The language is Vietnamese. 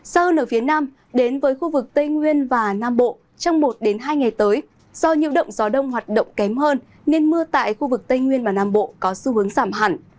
sau hơn ở phía nam đến với khu vực tây nguyên và nam bộ trong một hai ngày tới do nhiễu động gió đông hoạt động kém hơn nên mưa tại khu vực tây nguyên và nam bộ có xu hướng giảm hẳn